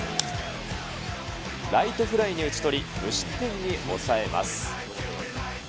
ライトフライに打ち取り、無失点に抑えます。